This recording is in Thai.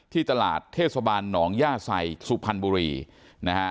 ตลาดเทศบาลหนองย่าใส่สุพรรณบุรีนะฮะ